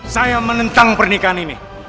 saya menentang pernikahan ini